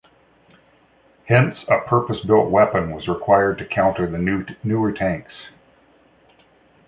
Hence, a purpose-built weapon was required to counter the newer tanks.